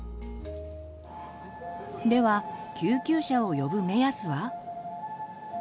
では救急車を呼ぶ目安は？